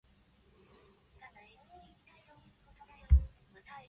In earlier manufactured editions the external characteristics were obvious.